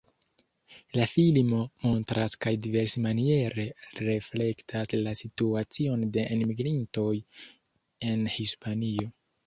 La filmo montras kaj diversmaniere reflektas la situacion de enmigrintoj en Hispanio.